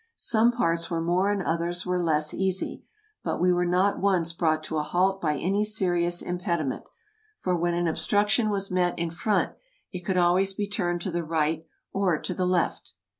Some parts were more and others were less easy, but we were not once brought to a halt by any serious impediment, for when an obstruction was met in front it could always be turned to the right or to the left.